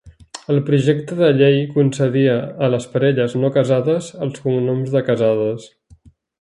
El projecte de llei concedia a les parelles no casades els cognoms de casades.